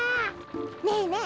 ねえねえ